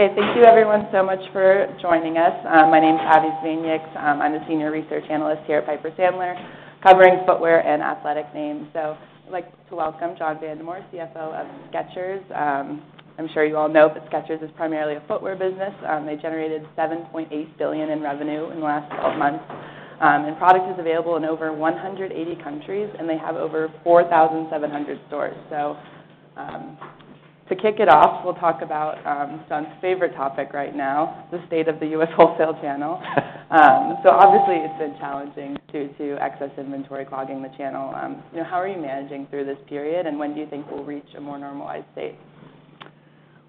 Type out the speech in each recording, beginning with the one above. Okay, thank you everyone so much for joining us. My name is Abbie Zvejnieks. I'm a Senior Research Analyst here at Piper Sandler, covering footwear and athletic names. So I'd like to welcome John Vandemore, CFO of Skechers. I'm sure you all know, but Skechers is primarily a footwear business. They generated $7.8 billion in revenue in the last 12 months, and product is available in over 180 countries, and they have over 4,700 stores. So, to kick it off, we'll talk about everyone's favorite topic right now, the state of the U.S. wholesale channel. So obviously, it's been challenging due to excess inventory clogging the channel. You know, how are you managing through this period, and when do you think we'll reach a more normalized state?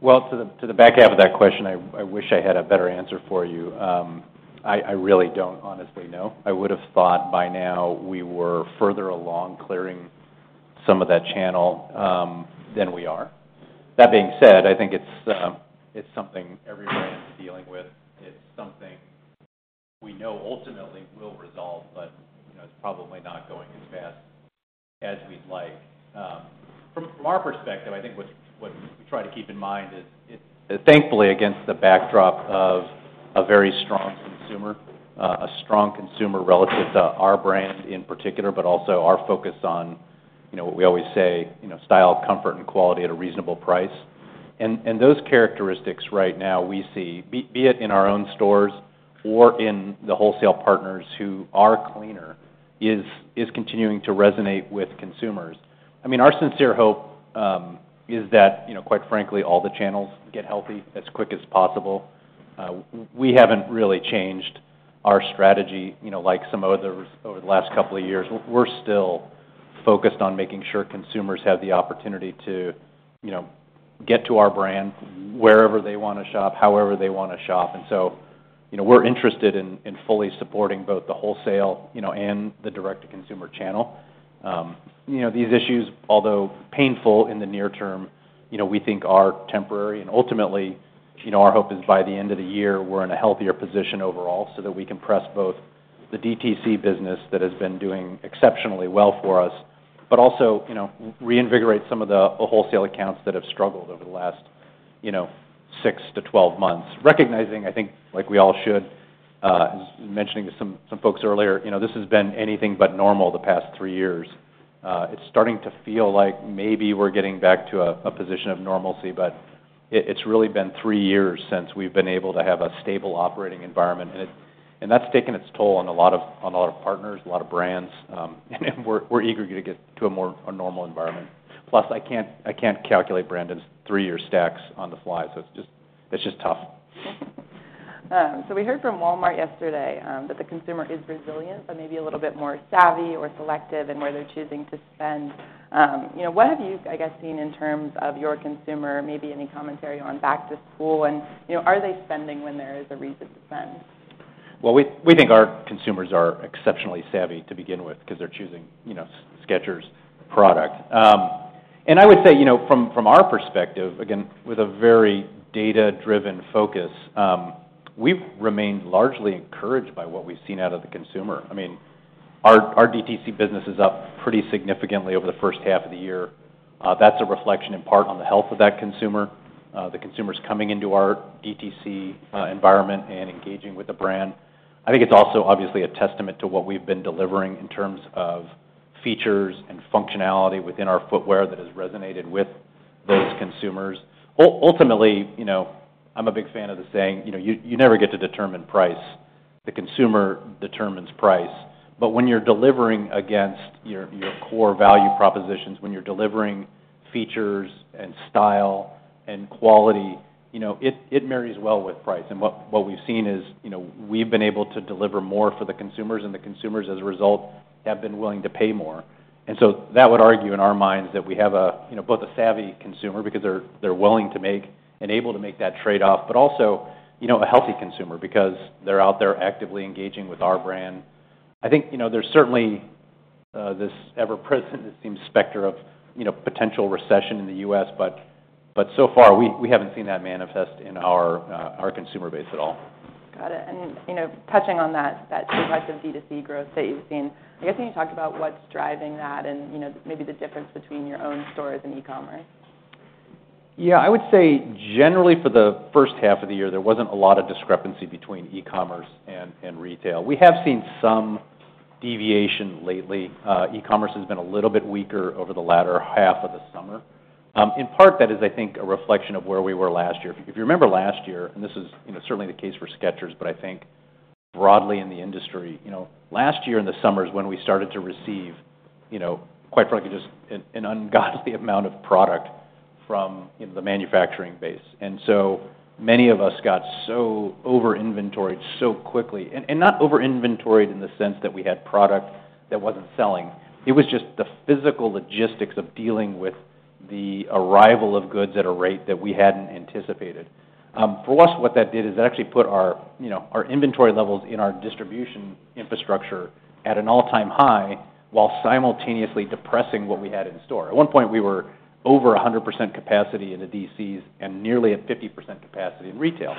Well, to the back half of that question, I wish I had a better answer for you. I really don't honestly know. I would have thought by now we were further along clearing some of that channel than we are. That being said, I think it's something every brand is dealing with. It's something we know ultimately will resolve, but, you know, it's probably not going as fast as we'd like. From our perspective, I think what we try to keep in mind is, thankfully, against the backdrop of a very strong consumer, a strong consumer relative to our brand in particular, but also our focus on, you know, what we always say, you know, style, comfort, and quality at a reasonable price. Those characteristics right now we see be it in our own stores or in the wholesale partners who are cleaner is continuing to resonate with consumers. I mean, our sincere hope is that, you know, quite frankly, all the channels get healthy as quick as possible. We haven't really changed our strategy, you know, like some others over the last couple of years. We're still focused on making sure consumers have the opportunity to, you know, get to our brand wherever they want to shop, however they want to shop. And so, you know, we're interested in fully supporting both the wholesale, you know, and the direct-to-consumer channel. You know, these issues, although painful in the near term, you know, we think are temporary. Ultimately, you know, our hope is by the end of the year, we're in a healthier position overall, so that we can press both the DTC business that has been doing exceptionally well for us, but also, you know, reinvigorate some of the wholesale accounts that have struggled over the last, you know, six to 12 months. Recognizing, I think, like we all should, as mentioning to some folks earlier, you know, this has been anything but normal the past three years. It's starting to feel like maybe we're getting back to a position of normalcy, but it's really been three years since we've been able to have a stable operating environment, and that's taken its toll on a lot of partners, a lot of brands, and we're eager to get to a more normal environment. Plus, I can't calculate brand's three-year stacks on the fly, so it's just tough. So we heard from Walmart yesterday, that the consumer is resilient, but maybe a little bit more savvy or selective in where they're choosing to spend. You know, what have you, I guess, seen in terms of your consumer, maybe any commentary on back-to-school and, you know, are they spending when there is a reason to spend? Well, we, we think our consumers are exceptionally savvy to begin with because they're choosing, you know, Skechers product. And I would say, you know, from, from our perspective, again, with a very data-driven focus, we've remained largely encouraged by what we've seen out of the consumer. I mean, our, our DTC business is up pretty significantly over the first half of the year. That's a reflection in part on the health of that consumer, the consumers coming into our DTC environment and engaging with the brand. I think it's also obviously a testament to what we've been delivering in terms of features and functionality within our footwear that has resonated with those consumers. Ultimately, you know, I'm a big fan of the saying: you know, "You, you never get to determine price. The consumer determines price." But when you're delivering against your core value propositions, when you're delivering features, and style, and quality, you know, it marries well with price. And what we've seen is, you know, we've been able to deliver more for the consumers, and the consumers, as a result, have been willing to pay more. And so that would argue in our minds that we have a, you know, both a savvy consumer, because they're willing to make and able to make that trade-off, but also, you know, a healthy consumer because they're out there actively engaging with our brand. I think, you know, there's certainly this ever-present, it seems, specter of, you know, potential recession in the U.S., but so far, we haven't seen that manifest in our consumer base at all. Got it. And, you know, touching on that, that impressive D2C growth that you've seen, I guess, can you talk about what's driving that and, you know, maybe the difference between your own stores and e-commerce? Yeah, I would say generally for the first half of the year, there wasn't a lot of discrepancy between e-commerce and retail. We have seen some deviation lately. E-commerce has been a little bit weaker over the latter half of the summer. In part, that is, I think, a reflection of where we were last year. If you remember last year, and this is, you know, certainly the case for Skechers, but I think broadly in the industry, you know, last year in the summer is when we started to receive, you know, quite frankly, just an ungodly amount of product from, you know, the manufacturing base. And so many of us got so over-inventoried so quickly, and not over-inventoried in the sense that we had product that wasn't selling. It was just the physical logistics of dealing with the arrival of goods at a rate that we hadn't anticipated. For us, what that did is that actually put our, you know, our inventory levels in our distribution infrastructure at an all-time high, while simultaneously depressing what we had in store. At one point, we were over 100% capacity in the DCs and nearly at 50% capacity in retail.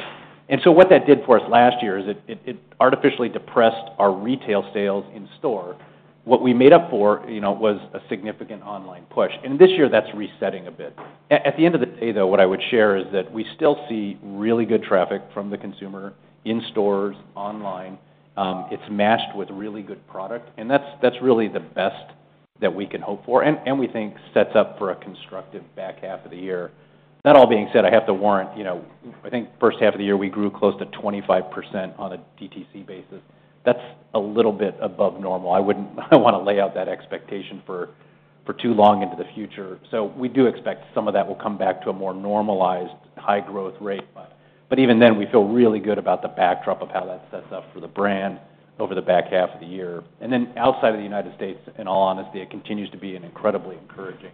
So what that did for us last year is it artificially depressed our retail sales in store... what we made up for, you know, was a significant online push, and this year that's resetting a bit. At the end of the day, though, what I would share is that we still see really good traffic from the consumer in stores, online. It's matched with really good product, and that's really the best that we can hope for, and we think sets up for a constructive back half of the year. That all being said, I have to warrant, you know, I think first half of the year, we grew close to 25% on a DTC basis. That's a little bit above normal. I wouldn't- I don't want to lay out that expectation for too long into the future. So we do expect some of that will come back to a more normalized high growth rate, but even then, we feel really good about the backdrop of how that sets up for the brand over the back half of the year. And then outside of the United States, in all honesty, it continues to be an incredibly encouraging,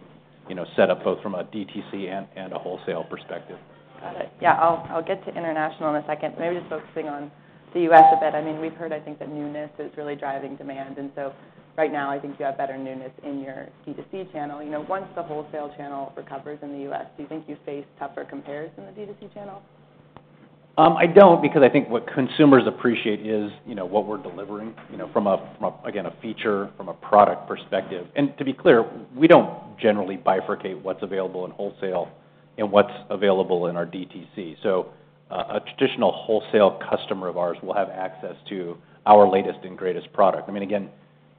you know, setup, both from a DTC and a wholesale perspective. Got it. Yeah. I'll get to international in a second, maybe just focusing on the U.S. a bit. I mean, we've heard, I think, that newness is really driving demand, and so right now, I think you have better newness in your D2C channel. You know, once the wholesale channel recovers in the U.S., do you think you face tougher compares in the D2C channel? I don't, because I think what consumers appreciate is, you know, what we're delivering, you know, from a, again, a feature, from a product perspective. And to be clear, we don't generally bifurcate what's available in wholesale and what's available in our DTC. So, a traditional wholesale customer of ours will have access to our latest and greatest product. I mean, again,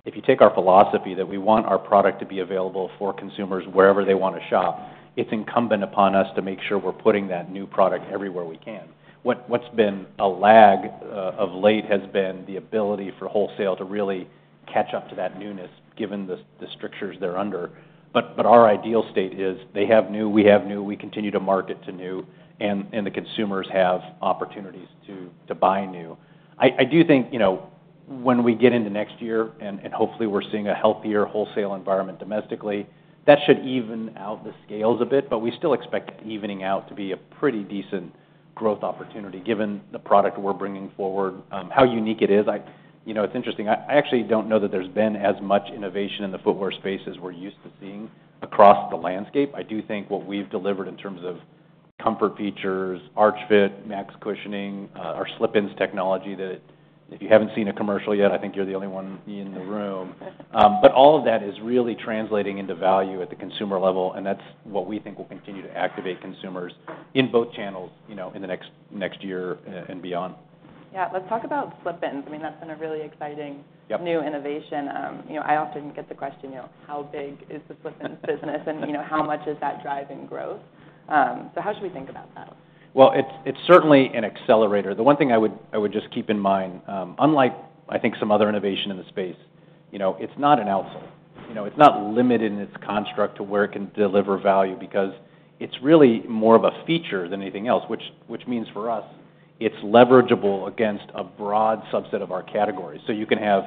if you take our philosophy that we want our product to be available for consumers wherever they want to shop, it's incumbent upon us to make sure we're putting that new product everywhere we can. What's been a lag of late has been the ability for wholesale to really catch up to that newness, given the strictures they're under. But our ideal state is they have new, we have new, we continue to market to new, and the consumers have opportunities to buy new. I do think, you know, when we get into next year and hopefully, we're seeing a healthier wholesale environment domestically, that should even out the scales a bit, but we still expect the evening out to be a pretty decent growth opportunity, given the product we're bringing forward, how unique it is. You know, it's interesting. I actually don't know that there's been as much innovation in the footwear space as we're used to seeing across the landscape. I do think what we've delivered in terms of comfort features, Arch Fit, Max Cushioning, our Slip-ins technology, that if you haven't seen a commercial yet, I think you're the only one in the room. But all of that is really translating into value at the consumer level, and that's what we think will continue to activate consumers in both channels, you know, in the next year and beyond. Yeah. Let's talk about Slip-ins. I mean, that's been a really exciting- Yep.... new innovation. You know, I often get the question, you know, "How big is the Slip-ins business?" And, you know, "How much is that driving growth?" So how should we think about that? Well, it's certainly an accelerator. The one thing I would just keep in mind, unlike, I think, some other innovation in the space, you know, it's not an outsole. You know, it's not limited in its construct to where it can deliver value because it's really more of a feature than anything else, which means for us, it's leverageable against a broad subset of our categories. So you can have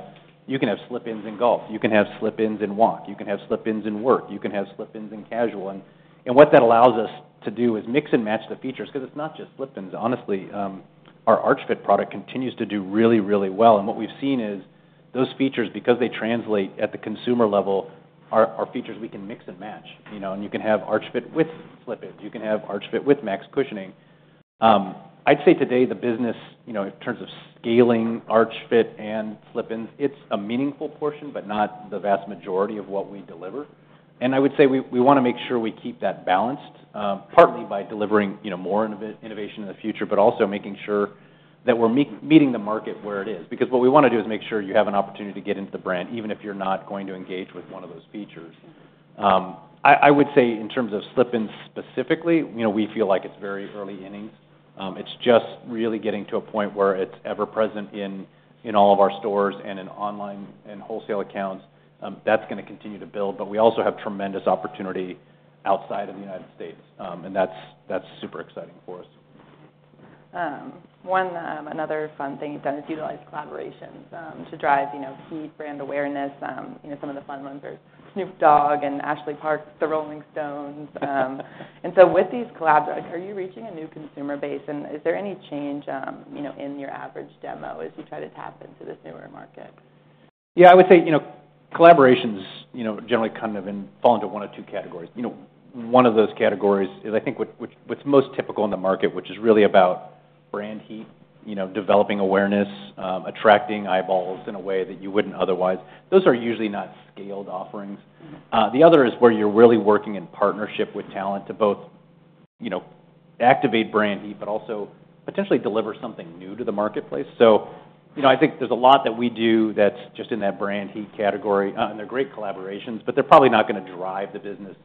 Slip-ins in golf, you can have Slip-ins in walk, you can have Slip-ins in work, you can have Slip-ins in casual. And what that allows us to do is mix and match the features because it's not just Slip-ins. Honestly, our Arch Fit product continues to do really, really well, and what we've seen is those features, because they translate at the consumer level, are features we can mix and match. You know, and you can have Arch Fit with Slip-ins. You can have Arch Fit with Max Cushioning. I'd say today, the business, you know, in terms of scaling Arch Fit and Slip-ins, it's a meaningful portion, but not the vast majority of what we deliver. And I would say we want to make sure we keep that balanced, partly by delivering, you know, more innovation in the future, but also making sure that we're meeting the market where it is. Because what we want to do is make sure you have an opportunity to get into the brand, even if you're not going to engage with one of those features. I would say in terms of Slip-ins specifically, you know, we feel like it's very early innings. It's just really getting to a point where it's ever present in all of our stores and in online and wholesale accounts. That's going to continue to build, but we also have tremendous opportunity outside of the United States, and that's super exciting for us. Another fun thing you've done is utilize collaborations to drive, you know, key brand awareness. You know, some of the fun ones are Snoop Dogg and Ashley Park, The Rolling Stones. And so with these collabs, are you reaching a new consumer base? And is there any change, you know, in your average demo as you try to tap into this newer market? Yeah, I would say, you know, collaborations, you know, generally kind of fall into one of two categories. You know, one of those categories is, I think, what's most typical in the market, which is really about brand heat, you know, developing awareness, attracting eyeballs in a way that you wouldn't otherwise. Those are usually not scaled offerings. The other is where you're really working in partnership with talent to both, you know, activate brand heat, but also potentially deliver something new to the marketplace. So, you know, I think there's a lot that we do that's just in that brand heat category. And they're great collaborations, but they're probably not going to drive the business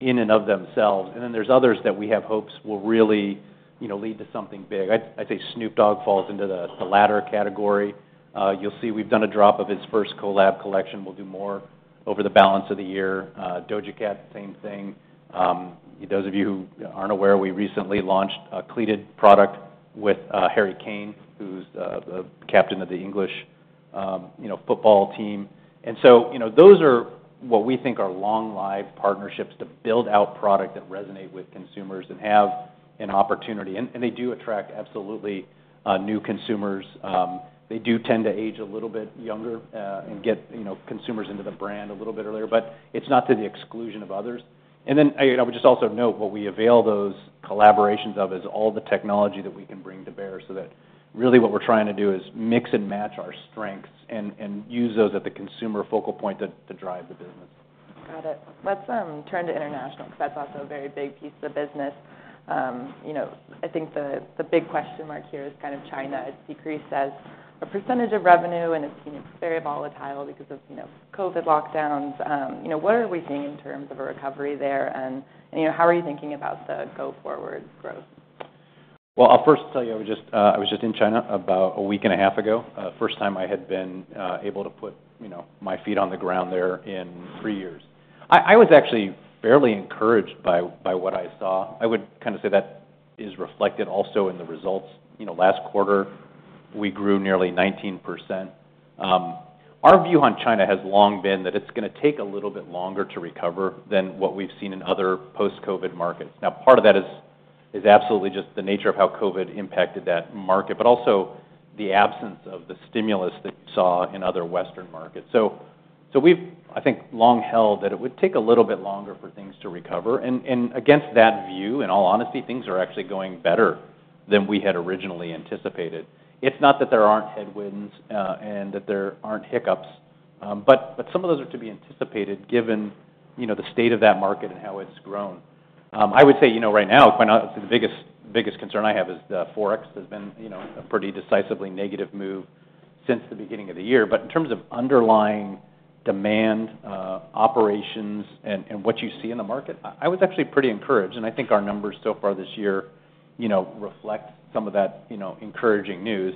in and of themselves. And then there's others that we have hopes will really, you know, lead to something big. I'd say Snoop Dogg falls into the latter category. You'll see we've done a drop of his first collab collection. We'll do more over the balance of the year. Doja Cat, same thing. Those of you who aren't aware, we recently launched a cleated product with Harry Kane, who's the captain of the English football team. And so, you know, those are what we think are long live partnerships to build out product that resonate with consumers and have an opportunity. And they do attract absolutely new consumers. They do tend to age a little bit younger and get, you know, consumers into the brand a little bit earlier, but it's not to the exclusion of others. And then, I would just also note, what we avail those collaborations of is all the technology that we can bring to bear, so that really what we're trying to do is mix and match our strengths and use those at the consumer focal point to drive the business. Got it. Let's turn to international, because that's also a very big piece of the business. You know, I think the big question mark here is kind of China. It's decreased as a percentage of revenue, and it's been very volatile because of, you know, COVID lockdowns. You know, what are we seeing in terms of a recovery there? And, you know, how are you thinking about the go-forward growth? Well, I'll first tell you, I was just, I was just in China about a week and a half ago, first time I had been, able to put, you know, my feet on the ground there in three years. I, I was actually fairly encouraged by, by what I saw. I would kind of say that is reflected also in the results. You know, last quarter, we grew nearly 19%. Our view on China has long been that it's gonna take a little bit longer to recover than what we've seen in other post-COVID markets. Now, part of that is, is absolutely just the nature of how COVID impacted that market, but also the absence of the stimulus that you saw in other Western markets. So, so we've, I think, long held that it would take a little bit longer for things to recover. Against that view, in all honesty, things are actually going better than we had originally anticipated. It's not that there aren't headwinds and that there aren't hiccups, but some of those are to be anticipated, given, you know, the state of that market and how it's grown. I would say, you know, right now, quite honestly, the biggest concern I have is the Forex has been, you know, a pretty decisively negative move since the beginning of the year. But in terms of underlying demand, operations and what you see in the market, I was actually pretty encouraged, and I think our numbers so far this year, you know, reflect some of that, you know, encouraging news.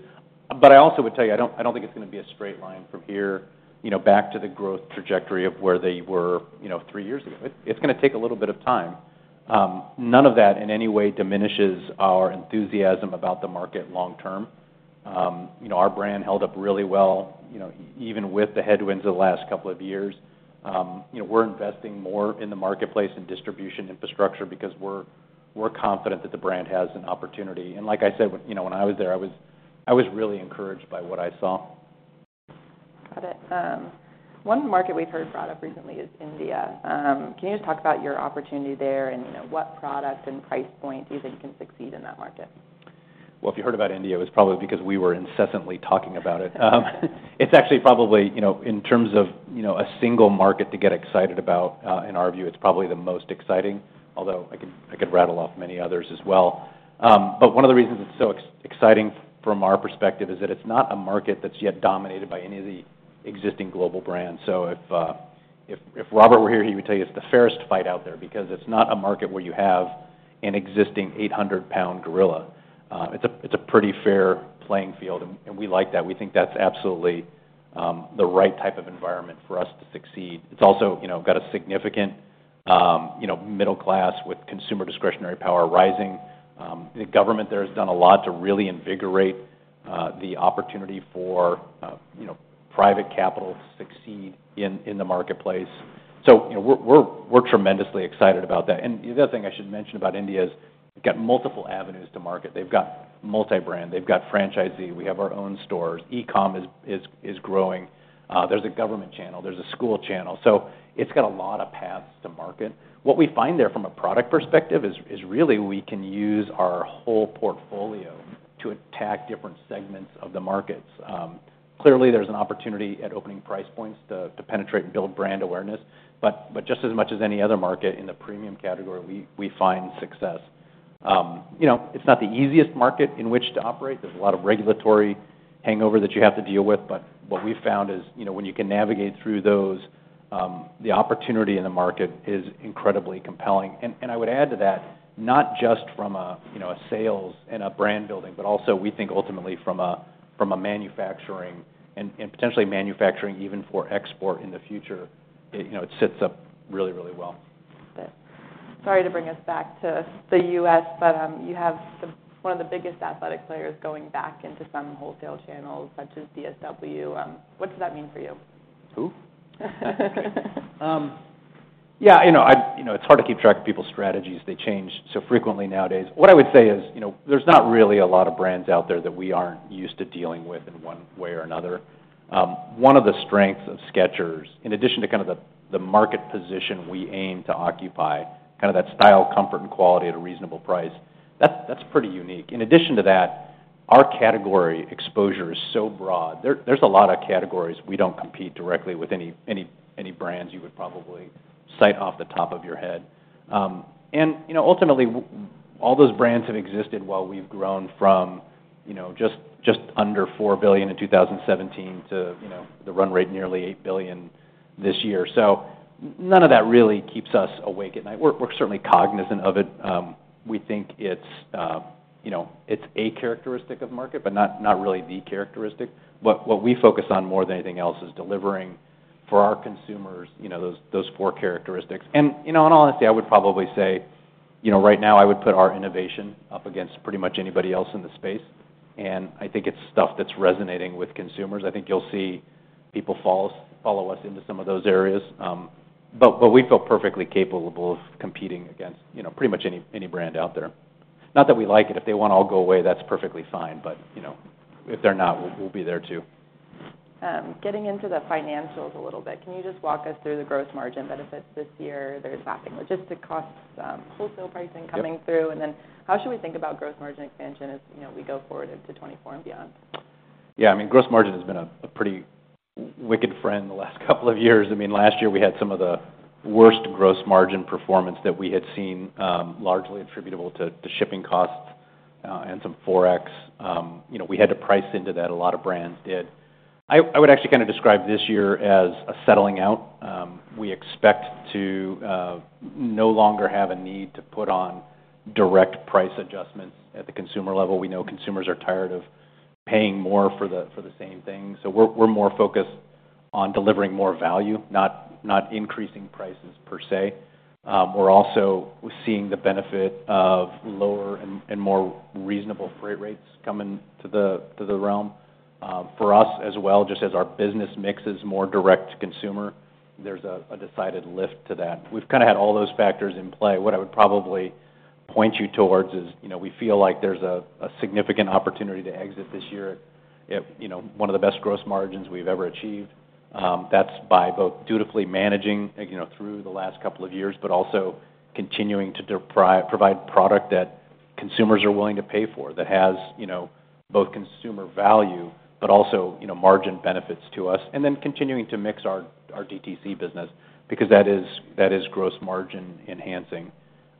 But I also would tell you, I don't, I don't think it's gonna be a straight line from here, you know, back to the growth trajectory of where they were, you know, three years ago. It's gonna take a little bit of time. None of that, in any way, diminishes our enthusiasm about the market long term. You know, our brand held up really well, you know, even with the headwinds of the last couple of years. You know, we're investing more in the marketplace and distribution infrastructure because we're confident that the brand has an opportunity. And like I said, you know, when I was there, I was really encouraged by what I saw. Got it. One market we've heard brought up recently is India. Can you just talk about your opportunity there, and, you know, what product and price points you think can succeed in that market? Well, if you heard about India, it was probably because we were incessantly talking about it. It's actually probably, you know, in terms of, you know, a single market to get excited about, in our view, it's probably the most exciting, although I could, I could rattle off many others as well. But one of the reasons it's so exciting from our perspective is that it's not a market that's yet dominated by any of the existing global brands. So if Robert were here, he would tell you it's the fairest fight out there because it's not a market where you have an existing 800-pound gorilla. It's a pretty fair playing field, and we like that. We think that's absolutely the right type of environment for us to succeed. It's also, you know, got a significant, you know, middle class with consumer discretionary power rising. The government there has done a lot to really invigorate the opportunity for, you know, private capital to succeed in the marketplace. So, you know, we're tremendously excited about that. The other thing I should mention about India is, they've got multiple avenues to market. They've got multi-brand, they've got franchisee, we have our own stores, e-com is growing, there's a government channel, there's a school channel. So it's got a lot of paths to market. What we find there from a product perspective is really we can use our whole portfolio to attack different segments of the markets. Clearly, there's an opportunity at opening price points to penetrate and build brand awareness, but just as much as any other market in the premium category, we find success. You know, it's not the easiest market in which to operate. There's a lot of regulatory hangover that you have to deal with, but what we've found is, you know, when you can navigate through those, the opportunity in the market is incredibly compelling. I would add to that, not just from a, you know, a sales and a brand building, but also we think ultimately from a manufacturing and potentially manufacturing even for export in the future. It sets up really, really well. Got it. Sorry to bring us back to the U.S., but you have the one of the biggest athletic players going back into some wholesale channels, such as DSW. What does that mean for you? Who? Yeah, you know, you know, it's hard to keep track of people's strategies. They change so frequently nowadays. What I would say is, you know, there's not really a lot of brands out there that we aren't used to dealing with in one way or another. One of the strengths of Skechers, in addition to kind of the market position we aim to occupy, kind of that style, comfort, and quality at a reasonable price, that's pretty unique. In addition to that, our category exposure is so broad. There's a lot of categories we don't compete directly with any brands you would probably cite off the top of your head. You know, ultimately, all those brands have existed while we've grown from, you know, just under $4 billion in 2017 to, you know, the run rate, nearly $8 billion this year. So none of that really keeps us awake at night. We're certainly cognizant of it. We think it's, you know, it's a characteristic of the market, but not, not really the characteristic. What we focus on more than anything else is delivering for our consumers, you know, those four characteristics. You know, in all honesty, I would probably say, you know, right now, I would put our innovation up against pretty much anybody else in the space, and I think it's stuff that's resonating with consumers. I think you'll see people follow us into some of those areas. But we feel perfectly capable of competing against, you know, pretty much any brand out there. Not that we like it. If they want to all go away, that's perfectly fine, but, you know, if they're not, we'll be there, too. Getting into the financials a little bit, can you just walk us through the gross margin benefits this year? There's staffing, logistics costs, wholesale pricing coming through. Yep. And then how should we think about gross margin expansion as, you know, we go forward into 2024 and beyond? Yeah, I mean, gross margin has been a pretty wicked friend the last couple of years. I mean, last year we had some of the worst gross margin performance that we had seen, largely attributable to shipping costs and some Forex. You know, we had to price into that, a lot of brands did. I would actually kind of describe this year as a settling out. We expect to no longer have a need to put on direct price adjustments at the consumer level. We know consumers are tired of paying more for the same thing. So we're more focused on delivering more value, not increasing prices per se. We're also seeing the benefit of lower and more reasonable freight rates coming to the realm. For us as well, just as our business mix is more direct to consumer, there's a decided lift to that. We've kind of had all those factors in play. What I would probably point you towards is, you know, we feel like there's a significant opportunity to exit this year at, you know, one of the best gross margins we've ever achieved. That's by both dutifully managing, you know, through the last couple of years, but also continuing to provide product that consumers are willing to pay for, that has, you know, both consumer value, but also, you know, margin benefits to us. And then continuing to mix our DTC business, because that is gross margin enhancing.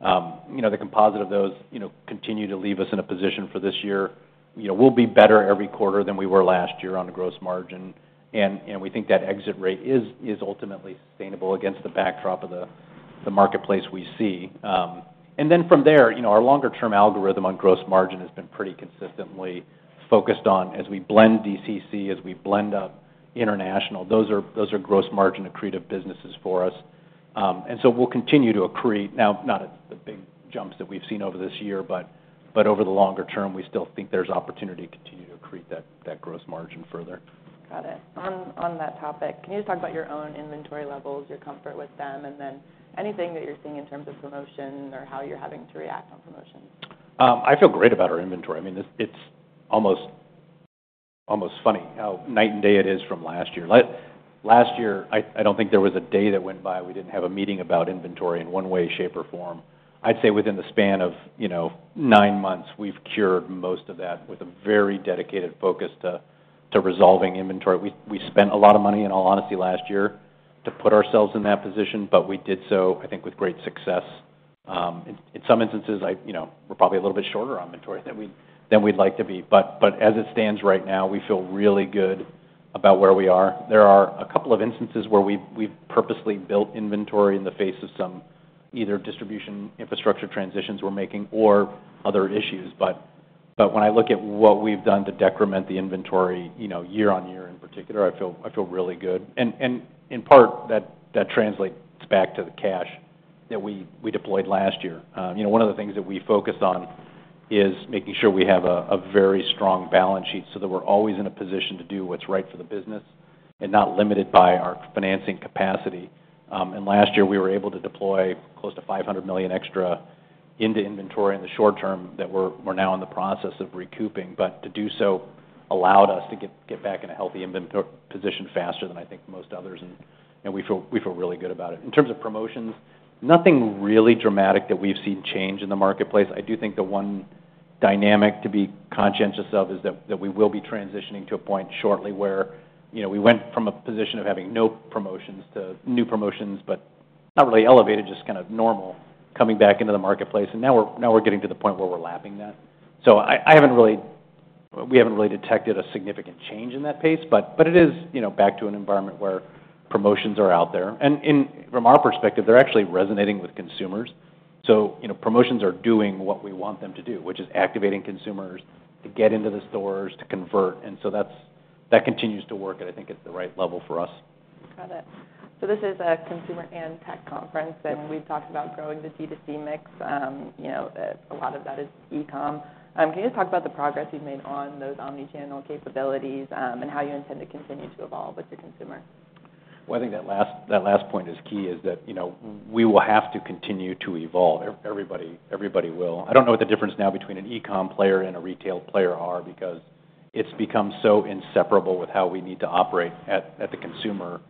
You know, the composite of those, you know, continue to leave us in a position for this year. You know, we'll be better every quarter than we were last year on a gross margin. And we think that exit rate is ultimately sustainable against the backdrop of the marketplace we see. And then from there, you know, our longer term algorithm on gross margin has been pretty consistently focused on as we blend DCC, as we blend up international, those are gross margin accretive businesses for us. And so we'll continue to accrete. Now, not at the big jumps that we've seen over this year, but over the longer term, we still think there's opportunity to continue to accrete that gross margin further. Got it. On that topic, can you just talk about your own inventory levels, your comfort with them, and then anything that you're seeing in terms of promotions or how you're having to react on promotions? I feel great about our inventory. I mean, it's almost funny how night and day it is from last year. Last year, I don't think there was a day that went by we didn't have a meeting about inventory in one way, shape, or form. I'd say within the span of, you know, nine months, we've cured most of that with a very dedicated focus to resolving inventory. We spent a lot of money, in all honesty, last year to put ourselves in that position, but we did so, I think, with great success. In some instances, you know, we're probably a little bit shorter on inventory than we'd like to be, but as it stands right now, we feel really good about where we are. There are a couple of instances where we've purposely built inventory in the face of some either distribution infrastructure transitions we're making or other issues between. But when I look at what we've done to decrement the inventory, you know, year-on-year in particular, I feel really good. And in part, that translates back to the cash that we deployed last year. You know, one of the things that we focused on is making sure we have a very strong balance sheet, so that we're always in a position to do what's right for the business and not limited by our financing capacity. And last year, we were able to deploy close to $500 million extra into inventory in the short term, that we're now in the process of recouping. But to do so allowed us to get back in a healthy inventory position faster than I think most others, and we feel really good about it. In terms of promotions, nothing really dramatic that we've seen change in the marketplace. I do think the one dynamic to be conscientious of is that we will be transitioning to a point shortly where, you know, we went from a position of having no promotions to new promotions, but not really elevated, just kind of normal, coming back into the marketplace. And now we're getting to the point where we're lapping that. So I haven't really—we haven't really detected a significant change in that pace, but it is, you know, back to an environment where promotions are out there. And in... From our perspective, they're actually resonating with consumers. So, you know, promotions are doing what we want them to do, which is activating consumers to get into the stores, to convert, and so that continues to work, and I think it's the right level for us. Got it. So this is a consumer and tech conference, and we've talked about growing the D2C mix. You know, a lot of that is e-com. Can you just talk about the progress you've made on those omni-channel capabilities, and how you intend to continue to evolve with the consumer? Well, I think that last, that last point is key, is that, you know, we will have to continue to evolve. Everybody, everybody will. I don't know what the difference now between an e-com player and a retail player are, because it's become so inseparable with how we need to operate at, at the consumer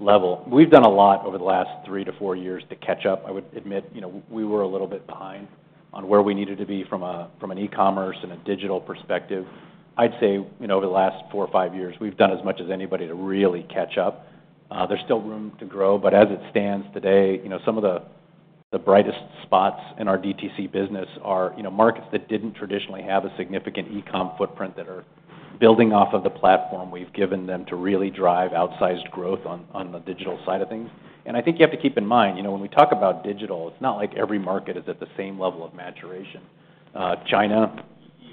level. We've done a lot over the last 3-4 years to catch up. I would admit, you know, we were a little bit behind on where we needed to be from a, from an e-commerce and a digital perspective. I'd say, you know, over the last four or five years, we've done as much as anybody to really catch up. There's still room to grow, but as it stands today, you know, some of the, the brightest spots in our DTC business are, you know, markets that didn't traditionally have a significant e-com footprint that are building off of the platform we've given them to really drive outsized growth on, on the digital side of things. And I think you have to keep in mind, you know, when we talk about digital, it's not like every market is at the same level of maturation. China,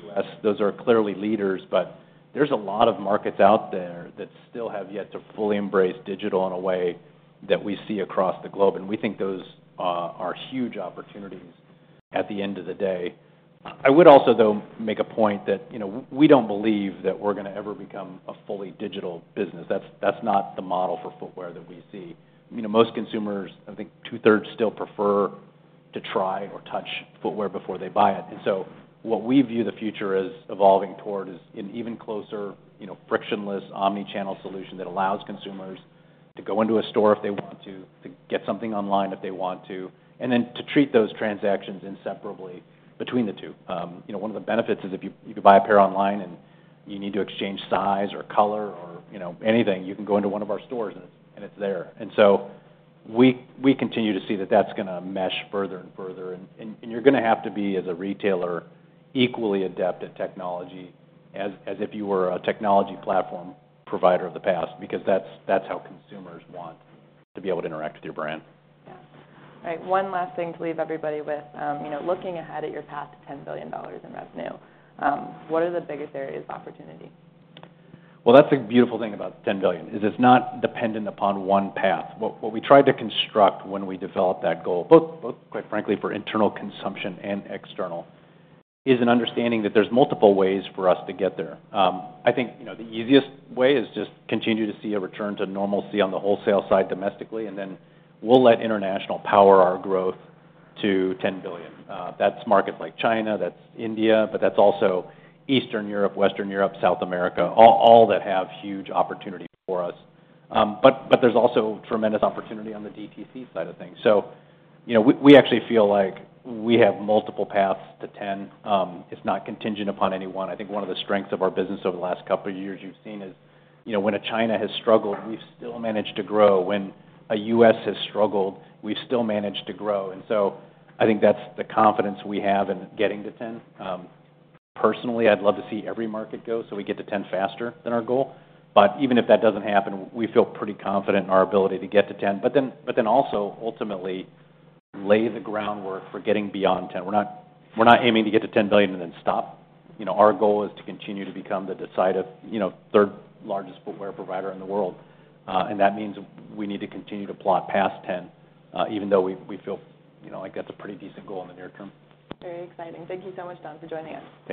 U.S., those are clearly leaders, but there's a lot of markets out there that still have yet to fully embrace digital in a way that we see across the globe, and we think those are huge opportunities at the end of the day. I would also, though, make a point that, you know, we don't believe that we're gonna ever become a fully digital business. That's, that's not the model for footwear that we see. You know, most consumers, I think two-thirds still prefer to try or touch footwear before they buy it. And so what we view the future as evolving toward is an even closer, you know, frictionless, omni-channel solution that allows consumers to go into a store if they want to, to get something online if they want to, and then to treat those transactions inseparably between the two. You know, one of the benefits is if you, you could buy a pair online and you need to exchange size or color or, you know, anything, you can go into one of our stores and it's there. And so we continue to see that that's gonna mesh further and further, and you're gonna have to be, as a retailer, equally adept at technology as if you were a technology platform provider of the past, because that's how consumers want to be able to interact with your brand. Yeah. All right, one last thing to leave everybody with. You know, looking ahead at your path to $10 billion in revenue, what are the biggest areas of opportunity? Well, that's the beautiful thing about $10 billion, is it's not dependent upon one path. What we tried to construct when we developed that goal, both quite frankly, for internal consumption and external, is an understanding that there's multiple ways for us to get there. I think, you know, the easiest way is just continue to see a return to normalcy on the wholesale side domestically, and then we'll let international power our growth to $10 billion. That's markets like China, that's India, but that's also Eastern Europe, Western Europe, South America, all that have huge opportunity for us. But there's also tremendous opportunity on the DTC side of things. So, you know, we actually feel like we have multiple paths to $10 billion, if not contingent upon any one. I think one of the strengths of our business over the last couple of years you've seen is, you know, when a China has struggled, we've still managed to grow. When a U.S. has struggled, we've still managed to grow. And so I think that's the confidence we have in getting to 10. Personally, I'd love to see every market go, so we get to 10 faster than our goal. But even if that doesn't happen, we feel pretty confident in our ability to get to 10. But then, but then also, ultimately, lay the groundwork for getting beyond 10. We're not, we're not aiming to get to $10 billion and then stop. You know, our goal is to continue to become the decisive, you know, third-largest footwear provider in the world, and that means we need to continue to plot past 10, even though we feel, you know, like that's a pretty decent goal in the near term. Very exciting. Thank you so much, John, for joining us.